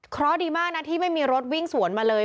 เพราะดีมากนะที่ไม่มีรถวิ่งสวนมาเลย